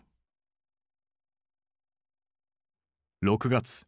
６月。